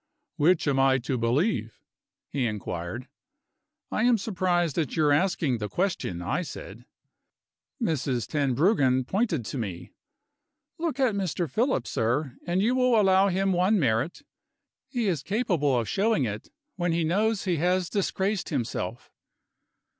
"Which am I to believe?" he inquired. "I am surprised at your asking the question," I said. Mrs. Tenbruggen pointed to me. "Look at Mr. Philip, sir and you will allow him one merit. He is capable of showing it, when he knows he has disgraced himself."